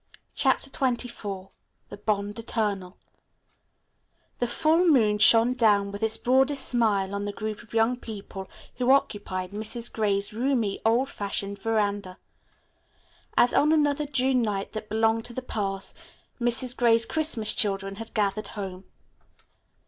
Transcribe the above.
CHAPTER XXIV THE BOND ETERNAL The full moon shone down with its broadest smile on the group of young people who occupied Mrs. Gray's roomy, old fashioned veranda. As on another June night that belonged to the past, Mrs. Gray's Christmas children had gathered home.